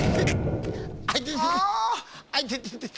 あいてててて。